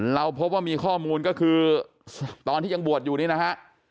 เราพบว่ามีข้อมูลก็คือตอนที่ยังบวชอยู่นี่นะฮะ